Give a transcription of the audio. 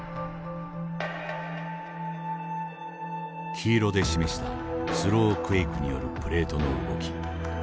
黄色で示したスロークエイクによるプレートの動き。